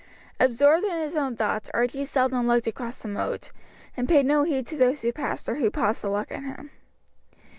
Absorbed in his own thoughts Archie seldom looked across the moat, and paid no heed to those who passed or who paused to look at him.